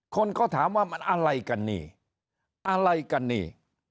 คนก็ถามว่ามันอะไรกันนี่อะไรกันนี่